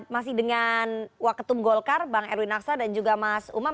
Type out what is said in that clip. masih dengan wak ketum golkar bang erwin naksa dan juga mas umam